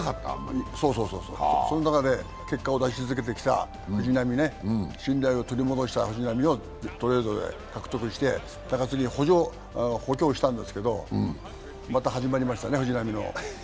その中で結果を出し続けてきた藤浪ね、信頼を取り戻した藤浪をトレードで獲得して、中継ぎを補強したんですけど、また始まりましたね、藤浪の。